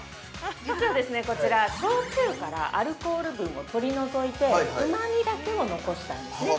◆実はこちら、焼酎からアルコール分を取り除いて、うまみだけを残したんですね。